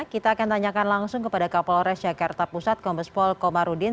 kita akan tanyakan langsung kepada kapolres jakarta pusat kombespol komarudin